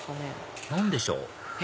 何でしょう？